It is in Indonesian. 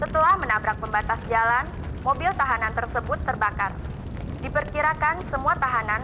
namun apel ini membuat kita meng takeaway